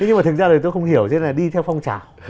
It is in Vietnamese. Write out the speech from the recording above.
nhưng mà thực ra tôi không hiểu cho nên là đi theo phong trào